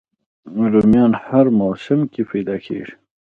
رومیان هر موسم کې پیدا کېږي